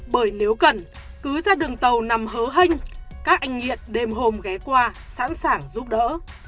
bởi nếu cần cứ ra đường tàu nằm hớ hênh các anh nhiện đềm hồn ghé qua sẵn sàng giúp đỡ